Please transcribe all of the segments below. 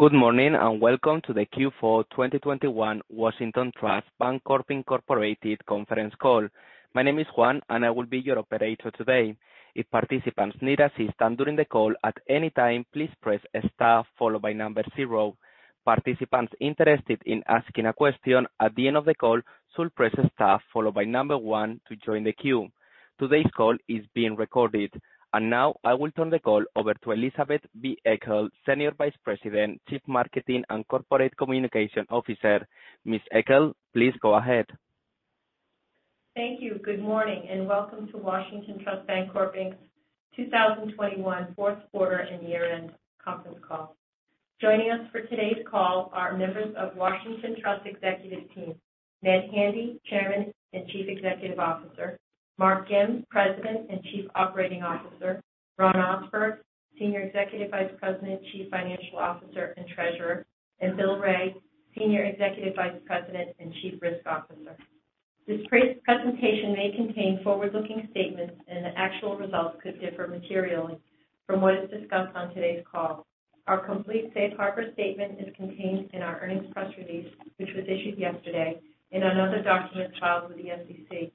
Good morning, and welcome to the Q4 2021 Washington Trust Bancorp Incorporated Conference Call. My name is Juan, and I will be your operator today. If participants need assistance during the call at any time, please press star followed by zero. Participants interested in asking a question at the end of the call should press star followed by one to join the queue. Today's call is being recorded. Now, I will turn the call over to Elizabeth B. Eckel, Senior Vice President, Chief Marketing and Corporate Communications Officer. Ms. Eckel, please go ahead. Thank you. Good morning, and welcome to Washington Trust Bancorp, Inc.'s 2021 fourth quarter and year-end conference call. Joining us for today's call are members of Washington Trust executive team. Ned Handy, Chairman and Chief Executive Officer, Mark Gim, President and Chief Operating Officer, Ron Ohsberg, Senior Executive Vice President, Chief Financial Officer and Treasurer, and Bill Wray, Senior Executive Vice President and Chief Risk Officer. This pre-presentation may contain forward-looking statements, and the actual results could differ materially from what is discussed on today's call. Our complete safe harbor statement is contained in our earnings press release, which was issued yesterday in another document filed with the SEC.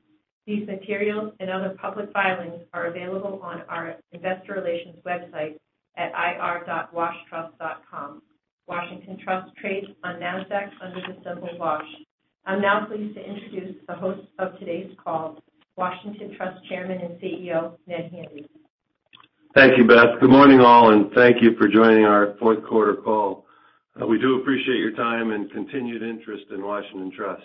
These materials and other public filings are available on our investor relations website at ir.washtrust.com. Washington Trust trades on Nasdaq under the symbol WASH. I'm now pleased to introduce the host of today's call, Washington Trust Chairman and CEO, Ned Handy. Thank you, Beth. Good morning, all, and thank you for joining our fourth quarter call. We do appreciate your time and continued interest in Washington Trust.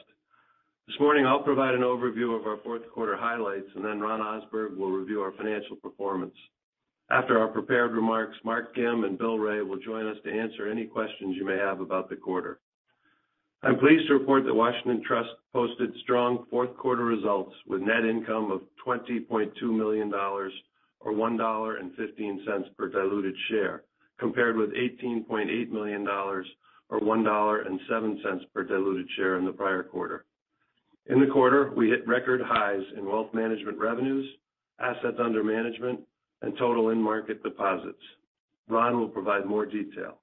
This morning, I'll provide an overview of our fourth quarter highlights, and then Ron Ohsberg will review our financial performance. After our prepared remarks, Mark Gim and Bill Wray will join us to answer any questions you may have about the quarter. I'm pleased to report that Washington Trust posted strong fourth quarter results with net income of $20.2 million or $1.15 per diluted share, compared with $18.8 million or $1.07 per diluted share in the prior quarter. In the quarter, we hit record highs in wealth management revenues, assets under management, and total end-market deposits. Ron will provide more detail.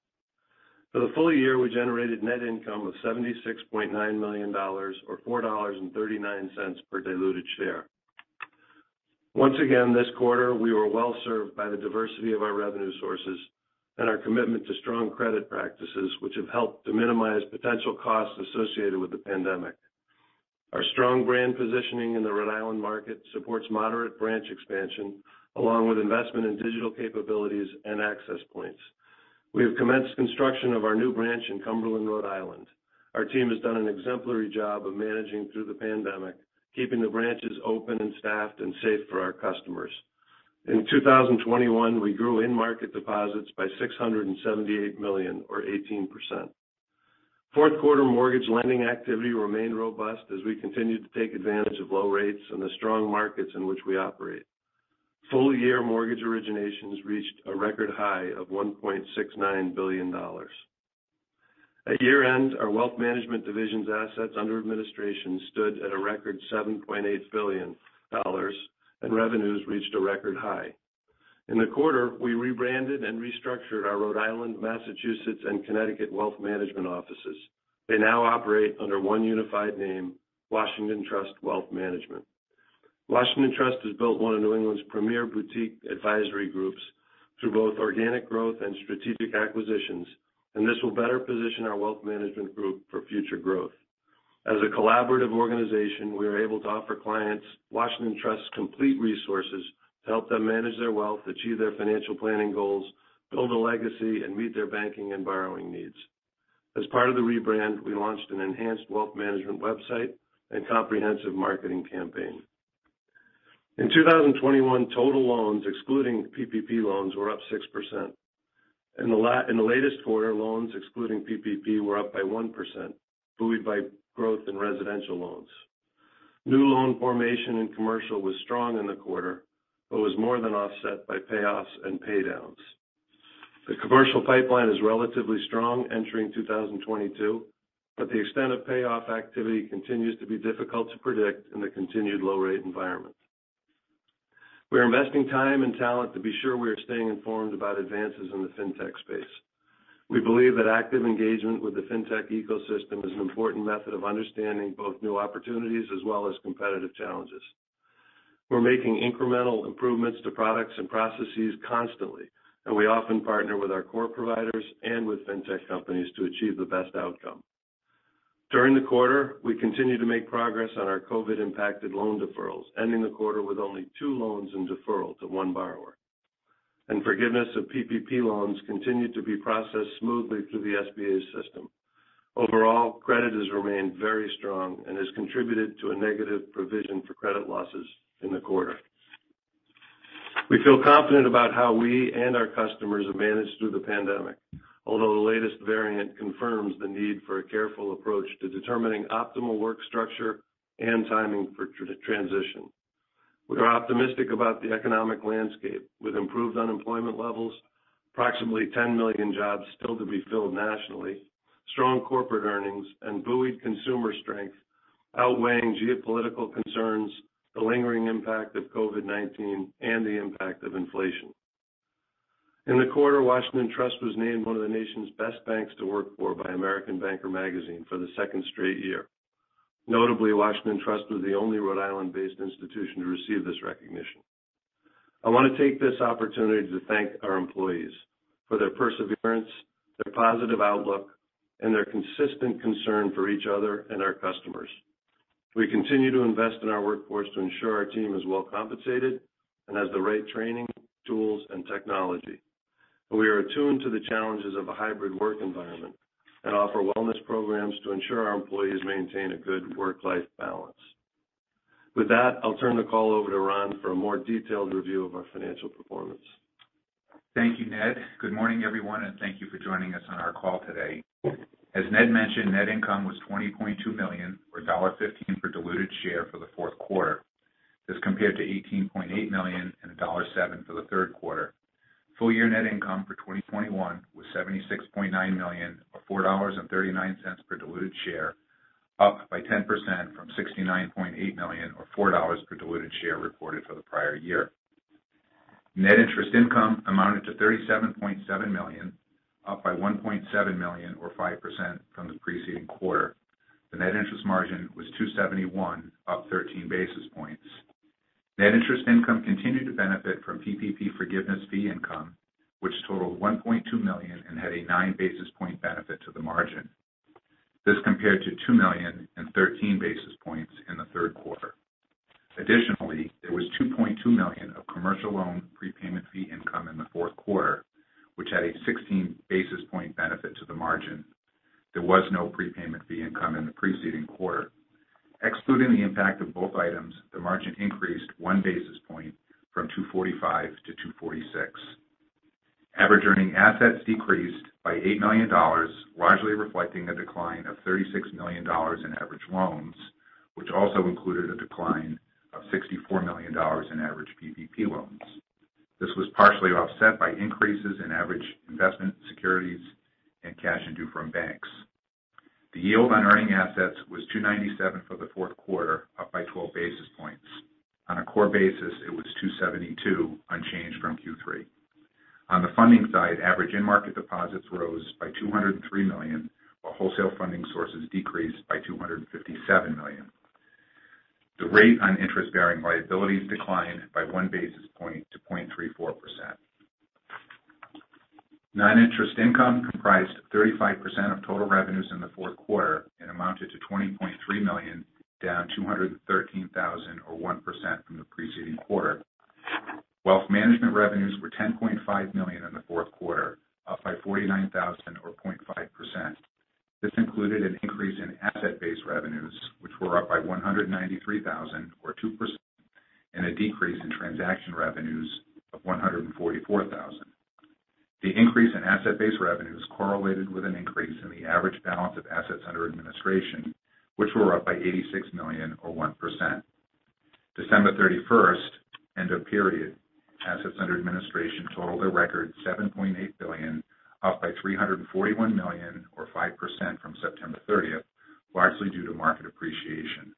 For the full year, we generated net income of $76.9 million or $4.39 per diluted share. Once again, this quarter, we were well-served by the diversity of our revenue sources and our commitment to strong credit practices, which have helped to minimize potential costs associated with the pandemic. Our strong brand positioning in the Rhode Island market supports moderate branch expansion, along with investment in digital capabilities and access points. We have commenced construction of our new branch in Cumberland, Rhode Island. Our team has done an exemplary job of managing through the pandemic, keeping the branches open and staffed and safe for our customers. In 2021, we grew end-market deposits by $678 million or 18%. Fourth quarter mortgage lending activity remained robust as we continued to take advantage of low rates in the strong markets in which we operate. Full year mortgage originations reached a record high of $1.69 billion. At year-end, our wealth management division's assets under administration stood at a record $7.8 billion, and revenues reached a record high. In the quarter, we rebranded and restructured our Rhode Island, Massachusetts, and Connecticut wealth management offices. They now operate under one unified name, Washington Trust Wealth Management. Washington Trust has built one of New England's premier boutique advisory groups through both organic growth and strategic acquisitions, and this will better position our wealth management group for future growth. As a collaborative organization, we are able to offer clients Washington Trust's complete resources to help them manage their wealth, achieve their financial planning goals, build a legacy, and meet their banking and borrowing needs. As part of the rebrand, we launched an enhanced wealth management website and comprehensive marketing campaign. In 2021, total loans excluding PPP loans were up 6%. In the latest quarter, loans excluding PPP were up by 1%, buoyed by growth in residential loans. New loan formation in commercial was strong in the quarter but was more than offset by payoffs and pay downs. The commercial pipeline is relatively strong entering 2022, but the extent of payoff activity continues to be difficult to predict in the continued low rate environment. We're investing time and talent to be sure we are staying informed about advances in the fintech space. We believe that active engagement with the fintech ecosystem is an important method of understanding both new opportunities as well as competitive challenges. We're making incremental improvements to products and processes constantly, and we often partner with our core providers and with fintech companies to achieve the best outcome. During the quarter, we continued to make progress on our COVID-impacted loan deferrals, ending the quarter with only two loans in deferral to one borrower. Forgiveness of PPP loans continued to be processed smoothly through the SBA system. Overall, credit has remained very strong and has contributed to a negative provision for credit losses in the quarter. We feel confident about how we and our customers have managed through the pandemic. Although the latest variant confirms the need for a careful approach to determining optimal work structure and timing for transition. We are optimistic about the economic landscape. With improved unemployment levels, approximately 10 million jobs still to be filled nationally. Strong corporate earnings and buoyed consumer strength outweighing geopolitical concerns, the lingering impact of COVID-19, and the impact of inflation. In the quarter, Washington Trust was named one of the nation's Best Banks to Work For by American Banker for the second straight year. Notably, Washington Trust was the only Rhode Island-based institution to receive this recognition. I want to take this opportunity to thank our employees for their perseverance, their positive outlook, and their consistent concern for each other and our customers. We continue to invest in our workforce to ensure our team is well compensated and has the right training, tools, and technology. We are attuned to the challenges of a hybrid work environment and offer wellness programs to ensure our employees maintain a good work-life balance. With that, I'll turn the call over to Ron for a more detailed review of our financial performance. Thank you, Ned. Good morning, everyone, and thank you for joining us on our call today. As Ned mentioned, net income was $20.2 million, or $1.15 per diluted share for the fourth quarter. This compared to $18.8 million and $1.07 for the third quarter. Full year net income for 2021 was $76.9 million, or $4.39 per diluted share, up by 10% from $69.8 million or $4 per diluted share reported for the prior year. Net interest income amounted to $37.7 million, up by $1.7 million or 5% from the preceding quarter. The net interest margin was 2.71%, up 13 basis points. Net interest income continued to benefit from PPP forgiveness fee income, which totaled $1.2 million and had a 9 basis point benefit to the margin. This compared to $2 million and 13 basis points in the third quarter. Additionally, there was $2.2 million of commercial loan prepayment fee income in the fourth quarter, which had a 16 basis point benefit to the margin. There was no prepayment fee income in the preceding quarter. Excluding the impact of both items, the margin increased 1 basis point from 2.45%-2.46%. Average earning assets decreased by $8 million, largely reflecting a decline of $36 million in average loans, which also included a decline of $64 million in average PPP loans. This was partially offset by increases in average investment securities and cash in due from banks. The yield on earning assets was 2.97% for the fourth quarter, up by 12 basis points. On a core basis, it was 2.72%, unchanged from Q3. On the funding side, average in-market deposits rose by $203 million, while wholesale funding sources decreased by $257 million. The rate on interest-bearing liabilities declined by 1 basis point to 0.34%. Non-interest income comprised 35% of total revenues in the fourth quarter and amounted to $20.3 million, down $213 thousand or 1% from the preceding quarter. Wealth management revenues were $10.5 million in the fourth quarter, up by $49,000 Or 0.5%. This included an increase in asset-based revenues, which were up by $193,000 or 2%, and a decrease in transaction revenues of $144,000. The increase in asset-based revenues correlated with an increase in the average balance of assets under administration, which were up by $86 million or 1%. December 31, end of period, assets under administration totaled a record $7.8 billion, up by $341 million or 5% from September 30, largely due to market appreciation.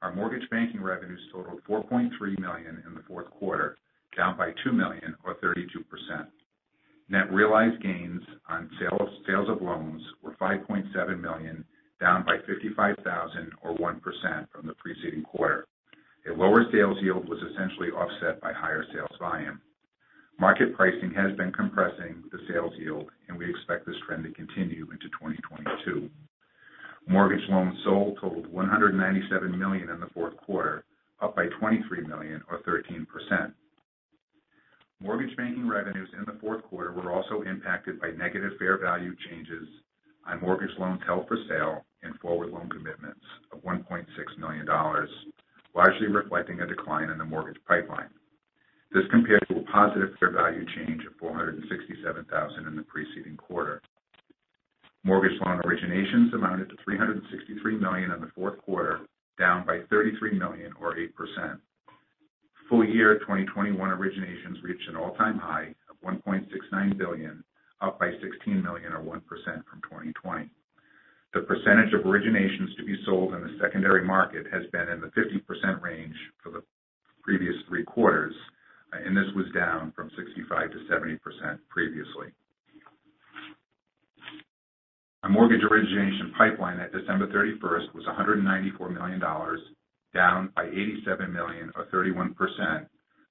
Our mortgage banking revenues totaled $4.3 million in the fourth quarter, down by $2 million or 32%. Net realized gains on sales of loans were $5.7 million, down by $55,000 or 1% from the preceding quarter. A lower sales yield was essentially offset by higher sales volume. Market pricing has been compressing the sales yield, and we expect this trend to continue into 2022. Mortgage loans sold totaled $197 million in the fourth quarter, up by $23 million or 13%. Mortgage banking revenues in the fourth quarter were also impacted by negative fair value changes on mortgage loans held for sale and forward loan commitments of $1.6 million, largely reflecting a decline in the mortgage pipeline. This compared to a positive fair value change of $467,000 in the preceding quarter. Mortgage loan originations amounted to $363 million in the fourth quarter, down by $33 million or 8%. Full year 2021 originations reached an all-time high of $1.69 billion, up by $16 million or 1% from 2020. The percentage of originations to be sold in the secondary market has been in the 50% range for the previous three quarters, and this was down from 65%-70% previously. Our mortgage origination pipeline at December 31 was $194 million, down by $87 million or 31%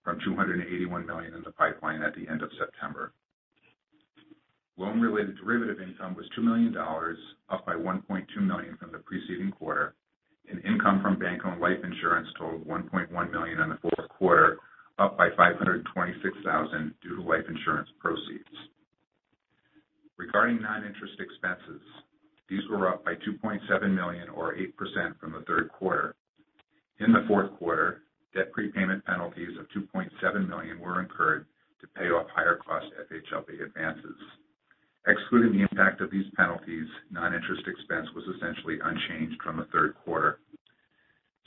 from $281 million in the pipeline at the end of September. Loan-related derivative income was $2 million, up by $1.2 million from the preceding quarter, and income from bank-owned life insurance totaled $1.1 million in the fourth quarter, up by $526,000 due to life insurance proceeds. Regarding non-interest expenses, these were up by $2.7 million or 8% from the third quarter. In the fourth quarter, debt prepayment penalties of $2.7 million were incurred to pay off higher cost FHLB advances. Excluding the impact of these penalties, non-interest expense was essentially unchanged from the third quarter.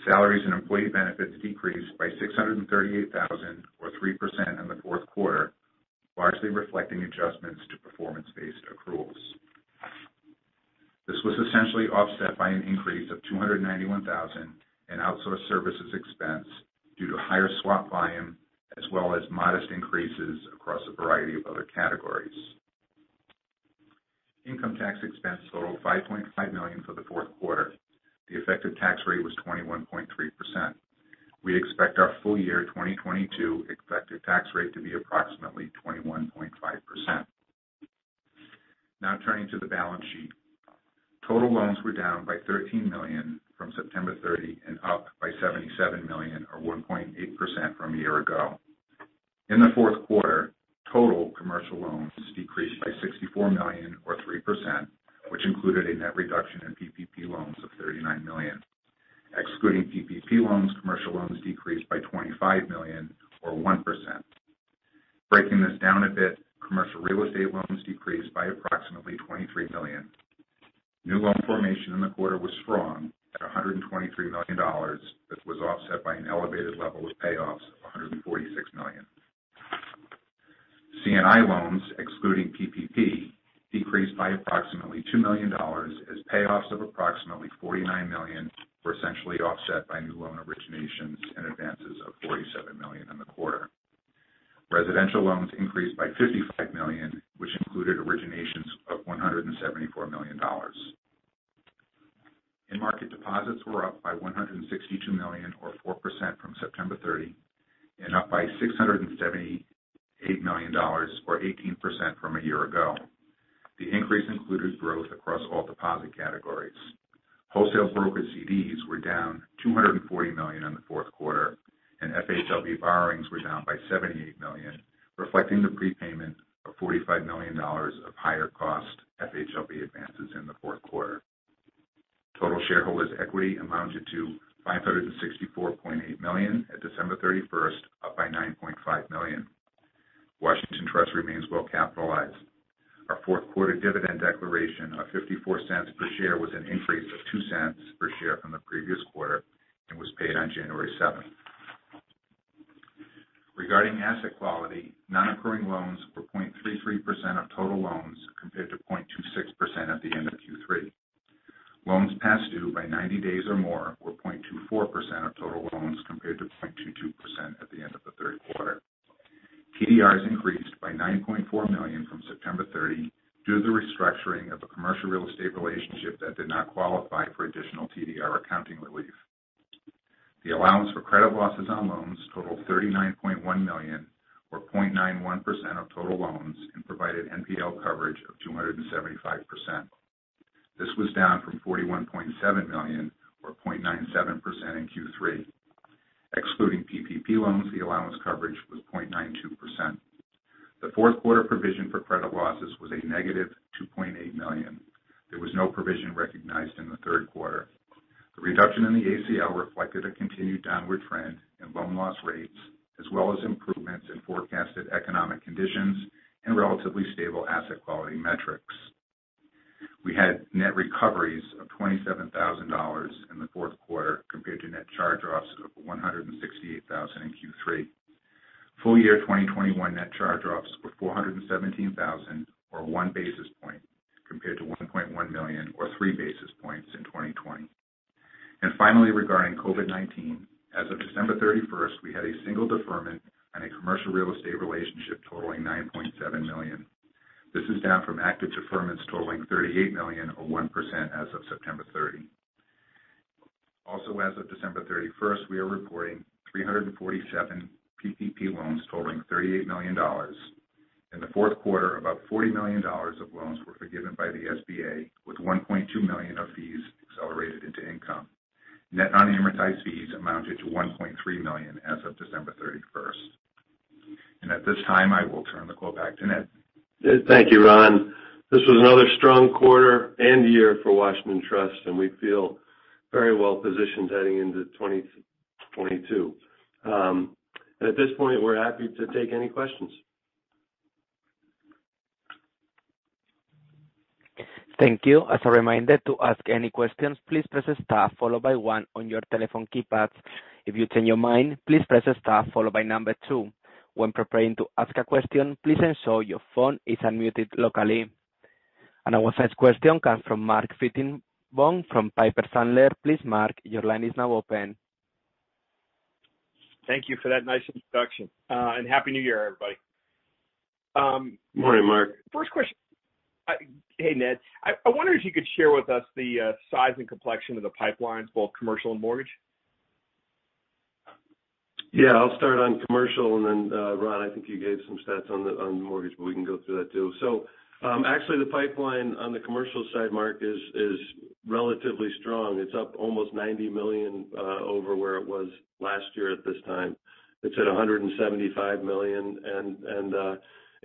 Salaries and employee benefits decreased by $638,000, or 3% in the fourth quarter, largely reflecting adjustments to performance-based accruals. This was essentially offset by an increase of $291,000 in outsourced services expense due to higher swap volume as well as modest increases across a variety of other categories. Income tax expense totaled $5.5 million for the fourth quarter. The effective tax rate was 21.3%. We expect our full year 2022 expected tax rate to be approximately 21.5%. Now turning to the balance sheet. Total loans were down by $13 million from September 30 and up by $77 million or 1.8% from a year ago. In the fourth quarter, total commercial loans decreased by $64 million or 3%, which included a net reduction in PPP loans of $39 million. Excluding PPP loans, commercial loans decreased by $25 million or 1%. Breaking this down a bit, commercial real estate loans decreased by approximately $23 million. New loan formation in the quarter was strong at $123 million. This was offset by an elevated level of payoffs of $146 million. C&I loans, excluding PPP, decreased by approximately $2 million as payoffs of approximately $49 million were essentially offset by new loan originations and advances of $47 million in the quarter. Residential loans increased by $55 million, which included originations of $174 million. In-market deposits were up by $162 million or 4% from September 30 and up by $678 million or 18% from a year ago. The increase included growth across all deposit categories. Wholesale brokered CDs were down $240 million in the fourth quarter, and FHLB borrowings were down by $78 million, reflecting the prepayment of $45 million of higher cost FHLB advances in the fourth quarter. Total shareholders equity amounted to $564.8 million at December 31, up by $9.5 million. Washington Trust remains well capitalized. Our fourth quarter dividend declaration of $0.54 per share was an increase of $0.02 per share from the previous quarter and was paid on January 7. Regarding asset quality, non-accruing loans were 0.33% of total loans, compared to 0.26% at the end of Q3. Loans past due by 90 days or more were 0.24% of total loans, compared to 0.22% at the end of the third quarter. TDRs increased by $9.4 million from September 30 due to the restructuring of a commercial real estate relationship that did not qualify for additional TDR accounting relief. The allowance for credit losses on loans totaled $39.1 million or 0.91% of total loans and provided NPL coverage of 275%. This was down from $41.7 million or 0.97% in Q3. Excluding PPP loans, the allowance coverage was 0.92%. The fourth quarter provision for credit losses was -$2.8 million. There was no provision recognized in the third quarter. The reduction in the ACL reflected a continued downward trend in loan loss rates, as well as improvements in forecasted economic conditions and relatively stable asset quality metrics. We had net recoveries of $27,000 in the fourth quarter compared to net charge-offs of $168,000 in Q3. Full year 2021 net charge-offs were $417,000 or one basis point compared to $1.1 million or three basis points in 2020. Finally, regarding COVID-19, as of December 31, we had a single deferment on a commercial real estate relationship totaling $9.7 million. This is down from active deferments totaling $38 million or 1% as of September 30. Also, as of December 31st, we are reporting 347 PPP loans totaling $38 million. In the fourth quarter, about $40 million of loans were forgiven by the SBA, with $1.2 million of fees accelerated into income. Net non-amortized fees amounted to $1.3 million as of December thirty-first. At this time, I will turn the call back to Ned. Thank you, Ron. This was another strong quarter and year for Washington Trust, and we feel very well positioned heading into 2022. At this point, we're happy to take any questions. Thank you. As a reminder to ask any questions, please press star followed by one on your telephone keypads. If you change your mind, please press star followed by number two. When preparing to ask a question, please ensure your phone is unmuted locally. Our first question comes from Mark Fitzgibbon from Piper Sandler. Please Mark, your line is now open. Thank you for that nice introduction. Happy New Year, everybody. Morning, Mark. First question. Hey, Ned. I wonder if you could share with us the size and complexion of the pipelines, both commercial and mortgage. Yeah, I'll start on commercial and then, Ron, I think you gave some stats on the mortgage, but we can go through that too. Actually the pipeline on the commercial side, Mark, is relatively strong. It's up almost $90 million over where it was last year at this time. It's at $175 million.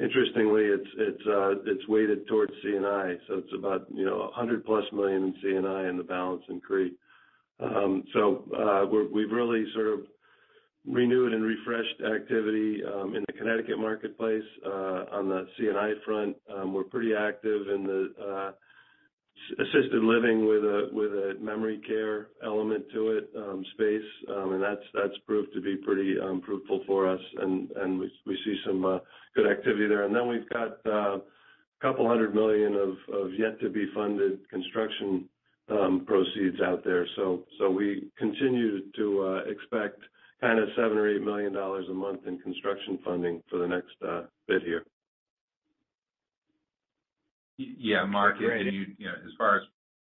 Interestingly, it's weighted towards C&I. It's about, you know, $100+ million in C&I and the balance in CRE. We've really sort of- -renewed and refreshed activity in the Connecticut marketplace on the C&I front. We're pretty active in the assisted living with a memory care element to it space. That's proved to be pretty fruitful for us. We see some good activity there. We've got $200 million of yet to be funded construction proceeds out there. We continue to expect kind of $7 million-$8 million a month in construction funding for the next bit here. Yeah. Mark, as far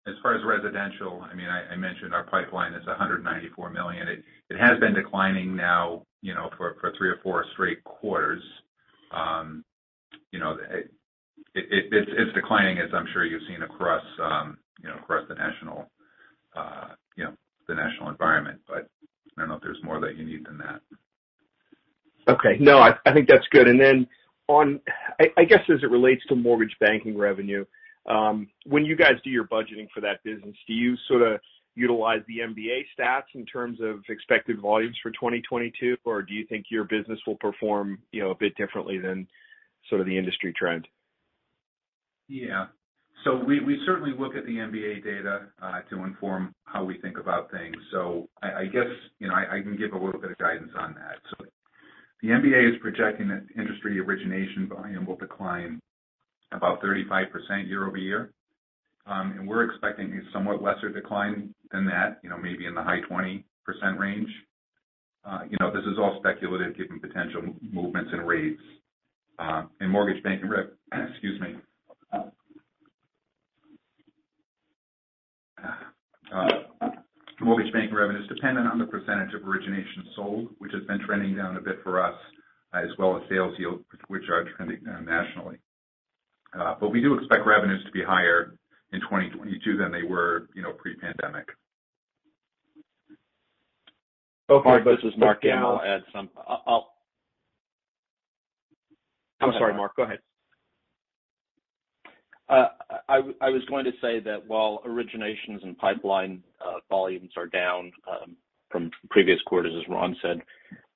as residential, I mean, I mentioned our pipeline is $194 million. It has been declining now, you know, for three or four straight quarters. You know, it's declining as I'm sure you've seen across the national environment. I don't know if there's more that you need than that. Okay. No, I think that's good. I guess as it relates to mortgage banking revenue, when you guys do your budgeting for that business, do you sort of utilize the MBA stats in terms of expected volumes for 2022? Or do you think your business will perform, you know, a bit differently than sort of the industry trend? Yeah. We certainly look at the MBA data to inform how we think about things. I guess, you know, I can give a little bit of guidance on that. The MBA is projecting that industry origination volume will decline about 35% year-over-year. We're expecting a somewhat lesser decline than that, you know, maybe in the high 20% range. You know, this is all speculative given potential movements in rates, and mortgage banking revenue—excuse me. Mortgage banking revenue is dependent on the percentage of origination sold, which has been trending down a bit for us, as well as sales yields, which are trending down nationally. But we do expect revenues to be higher in 2022 than they were, you know, pre-pandemic. Okay. Mark, this is Mark. I'll I'm sorry, Mark. Go ahead. I was going to say that while originations and pipeline volumes are down from previous quarters, as Ron said,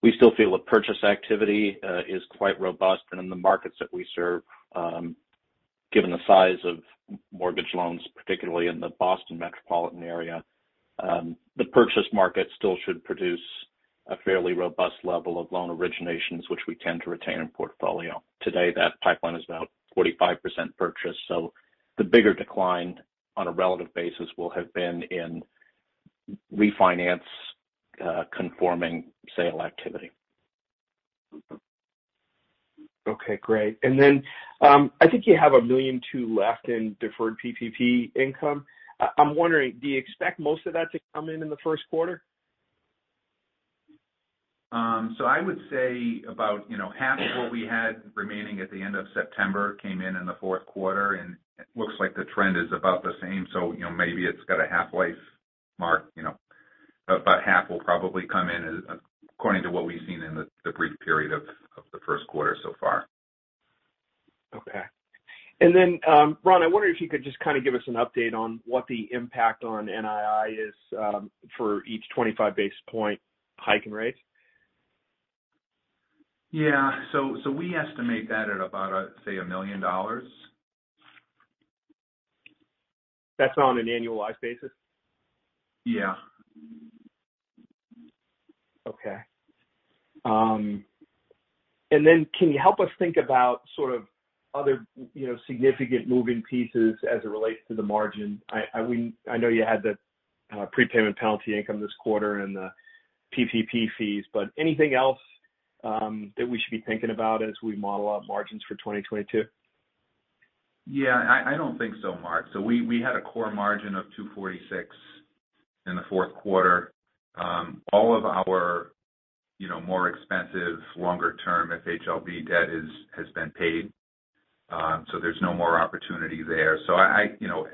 we still feel the purchase activity is quite robust. In the markets that we serve, given the size of mortgage loans, particularly in the Boston metropolitan area, the purchase market still should produce a fairly robust level of loan originations, which we tend to retain in portfolio. Today, that pipeline is about 45% purchase, so the bigger decline on a relative basis will have been in refinance conforming sale activity. Okay, great. I think you have $1.2 million left in deferred PPP income. I'm wondering, do you expect most of that to come in the first quarter? I would say about, you know, half of what we had remaining at the end of September came in in the fourth quarter, and it looks like the trend is about the same. You know, maybe it's got a half-life, Mark, you know. About half will probably come in, according to what we've seen in the brief period of the first quarter so far. Okay. Ron, I wonder if you could just kind of give us an update on what the impact on NII is, for each 25 basis point hike in rates. We estimate that at about, say, $1 million. That's on an annualized basis? Yeah. Okay. Can you help us think about sort of other, you know, significant moving pieces as it relates to the margin? I know you had the prepayment penalty income this quarter and the PPP fees, but anything else that we should be thinking about as we model out margins for 2022? Yeah. I don't think so, Mark. We had a core margin of 2.46% in the fourth quarter. All of our, you know, more expensive, longer term FHLB debt has been paid. There's no more opportunity there. I, you know,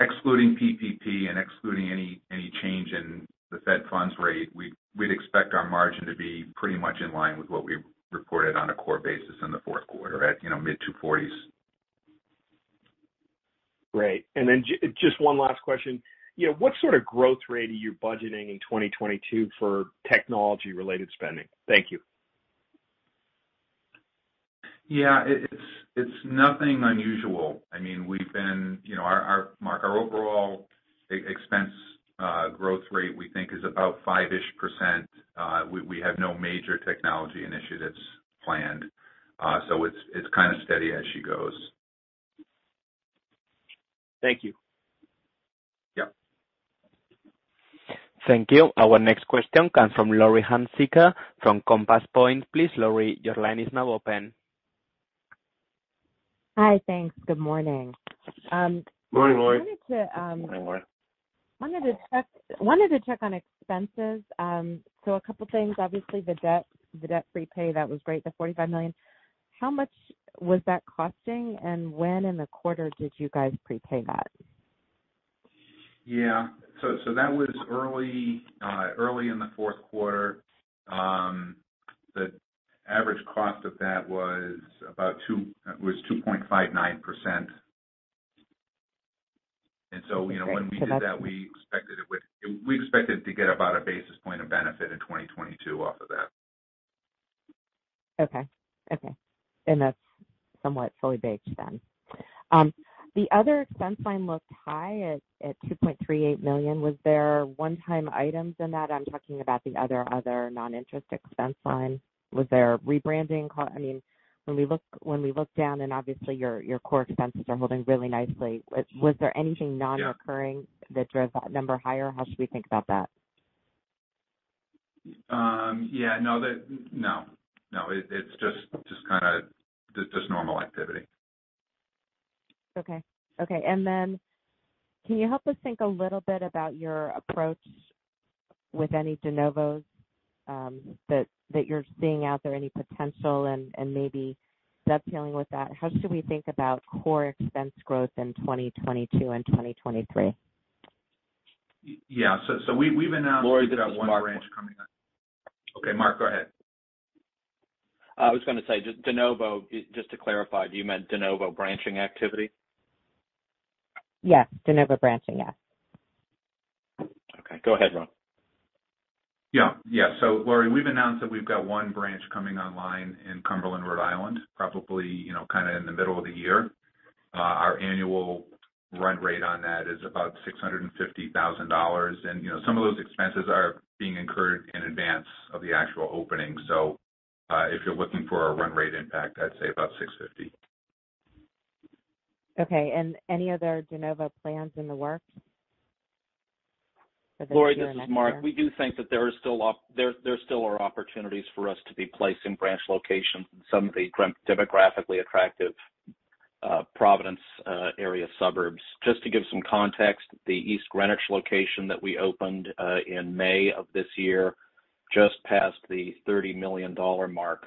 excluding PPP and excluding any change in the federal funds rate, we'd expect our margin to be pretty much in line with what we reported on a core basis in the fourth quarter at, you know, mid-2.40s%. Great. Just one last question. You know, what sort of growth rate are you budgeting in 2022 for technology-related spending? Thank you. Yeah. It's nothing unusual. I mean, we've been, you know, Mark, our overall expense growth rate we think is about 5-ish%. We have no major technology initiatives planned. It's kind of steady as she goes. Thank you. Yeah. Thank you. Our next question comes from Laurie Hunsicker from Compass Point. Please, Laurie, your line is now open. Hi. Thanks. Good morning. Morning, Laurie. I wanted to Morning, Laurie. I wanted to check on expenses. So a couple things. Obviously, the debt prepay that was great, the $45 million. How much was that costing, and when in the quarter did you guys prepay that? That was early in the fourth quarter. The average cost of that was about 2.59%. You know, when we did that, we expected to get about a basis point of benefit in 2022 off of that. Okay. That's somewhat fully baked then. The other expense line looked high at $2.38 million. Was there one-time items in that? I'm talking about the other non-interest expense line. I mean, when we look down and obviously your core expenses are holding really nicely, was there anything nonrecurring that drove that number higher? How should we think about that? Yeah, no. No, no. It's just kinda just normal activity. Okay. Can you help us think a little bit about your approach with any de novos, that you're seeing out there, any potential and maybe dovetailing with that? How should we think about core expense growth in 2022 and 2023? Yeah. We've announced that one branch coming up. Laurie, this is Mark. Okay. Mark, go ahead. I was gonna say just de novo, just to clarify, do you mean de novo branching activity? Yes. De novo branching, yes. Okay, go ahead, Ron. Laurie, we've announced that we've got one branch coming online in Cumberland, Rhode Island, probably, you know, kind of in the middle of the year. Our annual run rate on that is about $650,000. You know, some of those expenses are being incurred in advance of the actual opening. If you're looking for a run rate impact, I'd say about $650,000. Okay. Any other de novo plans in the works for this year or next year? Laurie, this is Mark. We do think that there still are opportunities for us to be placing branch locations in some of the demographically attractive, Providence, area suburbs. Just to give some context, the East Greenwich location that we opened in May of this year just passed the $30 million mark,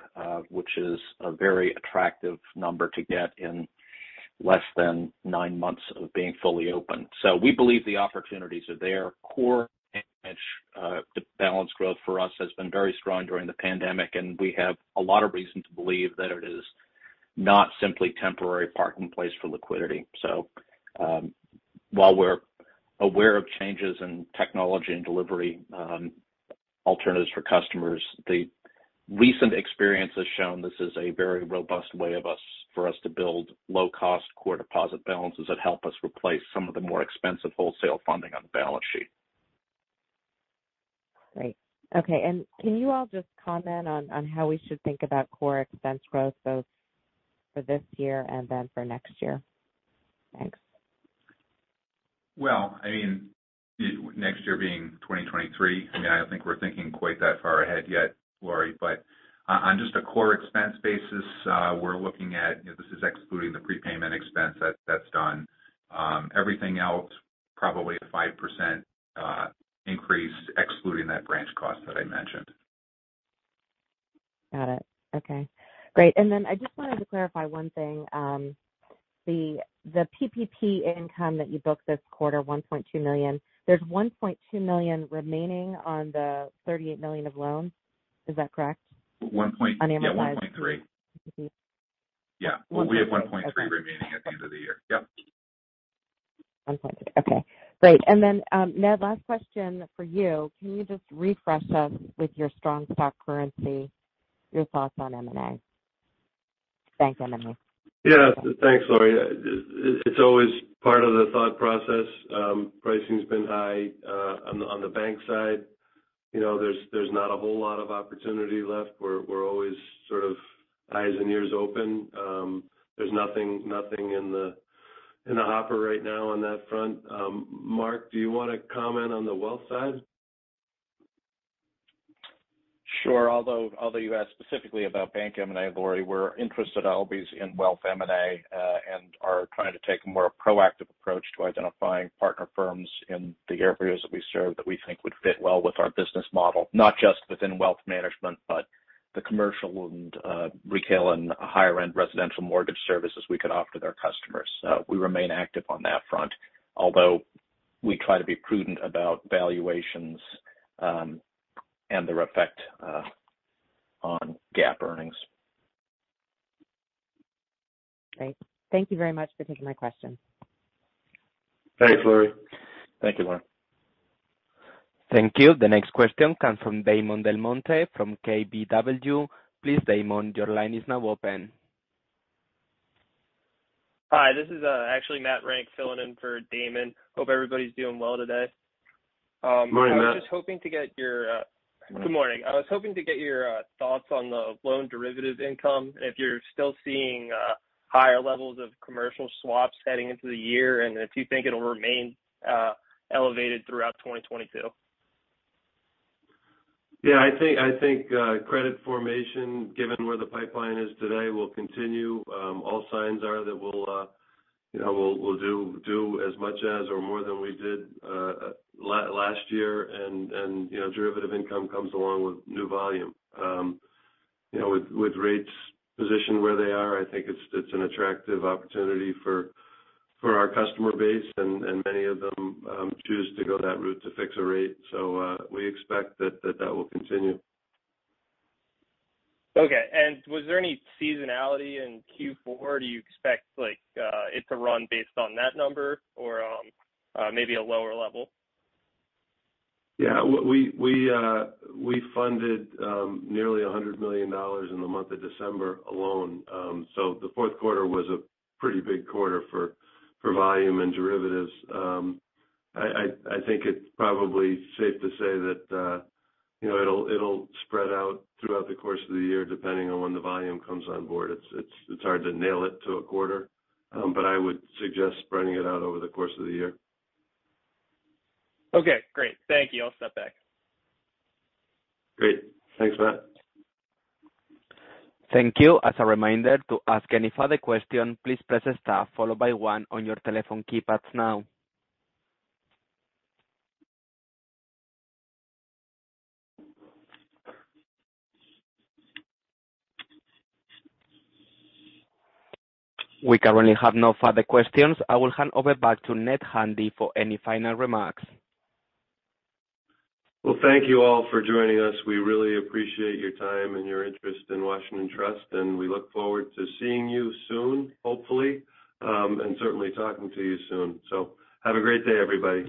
which is a very attractive number to get in less than nine months of being fully open. We believe the opportunities are there. Core branch balance growth for us has been very strong during the pandemic, and we have a lot of reason to believe that it is not simply temporary parking place for liquidity. While we're aware of changes in technology and delivery, alternatives for customers, the recent experience has shown this is a very robust way for us to build low-cost core deposit balances that help us replace some of the more expensive wholesale funding on the balance sheet. Great. Okay. Can you all just comment on how we should think about core expense growth both for this year and then for next year? Thanks. Well, I mean, next year being 2023, I mean, I don't think we're thinking quite that far ahead yet, Laurie. On just a core expense basis, we're looking at, you know, this is excluding the prepayment expense that that's done. Everything else, probably a 5% increase, excluding that branch cost that I mentioned. Got it. Okay. Great. I just wanted to clarify one thing. The PPP income that you booked this quarter, $1.2 million. There's $1.2 million remaining on the $38 million of loans. Is that correct? One point- On annualized. Yeah, 1.3. Mm-hmm. Yeah. 1.3. Okay. We have $1.3 remaining at the end of the year. Yep. 1.3. Okay, great. Ned, last question for you. Can you just refresh us with your strong stock currency, your thoughts on M&A? Bank M&A. Yeah. Thanks, Laurie. It's always part of the thought process. Pricing's been high on the bank side. You know, there's not a whole lot of opportunity left. We're always sort of eyes and ears open. There's nothing in the hopper right now on that front. Mark, do you wanna comment on the wealth side? Sure. Although you asked specifically about bank M&A, Laurie, we're interested as always in wealth M&A, and are trying to take a more proactive approach to identifying partner firms in the areas that we serve that we think would fit well with our business model, not just within wealth management, but the commercial and retail and higher end residential mortgage services we could offer their customers. We remain active on that front, although we try to be prudent about valuations and their effect on GAAP earnings. Great. Thank you very much for taking my question. Thanks, Laurie. Thank you, Laurie. Thank you. The next question comes from Damon DelMonte from KBW. Please, Damon, your line is now open. Hi, this is actually Matt [Renck] filling in for Damon. Hope everybody's doing well today. Morning, Matt. I was just hoping to get your. Morning. Good morning. I was hoping to get your thoughts on the loan derivative income, and if you're still seeing higher levels of commercial swaps heading into the year, and if you think it'll remain elevated throughout 2022. Yeah, I think credit formation, given where the pipeline is today, will continue. All signs are that we'll do as much as or more than we did last year. You know, derivative income comes along with new volume. You know, with rates positioned where they are, I think it's an attractive opportunity for our customer base. Many of them choose to go that route to fix a rate. We expect that will continue. Okay. Was there any seasonality in Q4? Do you expect, like, it to run based on that number or, maybe a lower level? Yeah. We funded nearly $100 million in the month of December alone. The fourth quarter was a pretty big quarter for volume and derivatives. I think it's probably safe to say that, you know, it'll spread out throughout the course of the year depending on when the volume comes on board. It's hard to nail it to a quarter. I would suggest spreading it out over the course of the year. Okay, great. Thank you. I'll step back. Great. Thanks, Matt. Thank you. As a reminder, to ask any further question, please press star followed by one on your telephone keypads now. We currently have no further questions. I will hand over back to Ned Handy for any final remarks. Well, thank you all for joining us. We really appreciate your time and your interest in Washington Trust, and we look forward to seeing you soon, hopefully, and certainly talking to you soon. Have a great day, everybody.